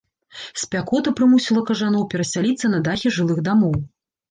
Спякота прымусіла кажаноў перасяліцца на дахі жылых дамоў.